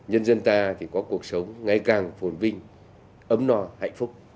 nhân dân ta có cuộc sống ngày càng phồn vinh ấm no hạnh phúc